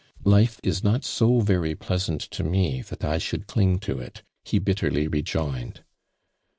" Life is not so very pleasant to me that 1 thould cling to it," he bitterly rejoined.